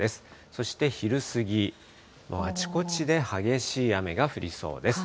そして昼過ぎ、あちこちで激しい雨が降りそうです。